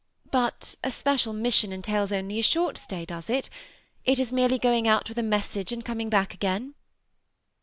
But a special mission entails only a short stay, does it ? It is merely going oi|^ with a message and coming back again